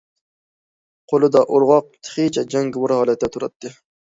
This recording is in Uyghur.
قولىدا ئورغاق، تېخىچە« جەڭگىۋار» ھالەتتە تۇراتتى.